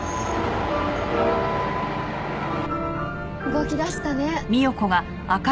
動き出したね。